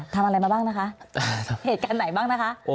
ทำอะไรมาบ้างนะคะเหตุการณ์ไหนบ้างนะคะ